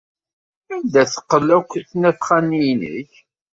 Anda teqqel akk ttnafxa-nni-inek?